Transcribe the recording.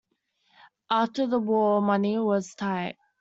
After the war money was tight.